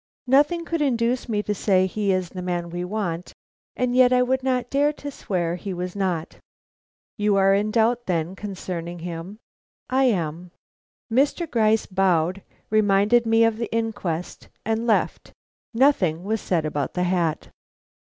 "Nothing could induce me to say he is the man we want, and yet I would not dare to swear he was not." "You are in doubt, then, concerning him?" "I am." Mr. Gryce bowed, reminded me of the inquest, and left. Nothing was said about the hat.